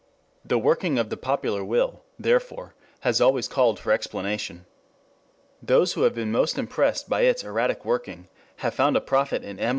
The working of the popular will, therefore, has always called for explanation. Those who have been most impressed by its erratic working have found a prophet in M.